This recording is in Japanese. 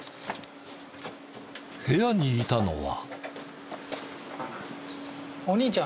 部屋にいたのは。